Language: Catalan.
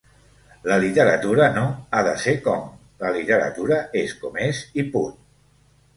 La literatura no “ha de ser com”, la literatura és com és i punt.